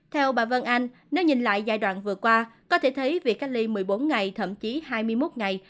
theo bà vân anh nếu nhìn lại giai đoạn vừa qua có thể thấy việc cách ly một mươi bốn ngày thậm chí hai mươi một ngày